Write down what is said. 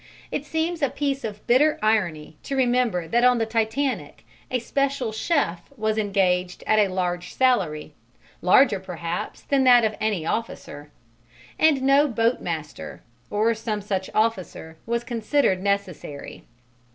It seems a piece of bitter irony to remember that on the Titanic a special chef was engaged at a large salary, larger perhaps than that of any officer, and no boatmaster (or some such officer) was considered necessary.